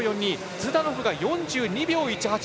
ズダノフが４２秒１８。